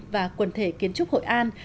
và quần thể kiến trúc hội an